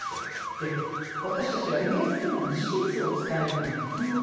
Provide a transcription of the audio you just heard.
で私たちは上というのは事実を伝えるのにとても適してるんです。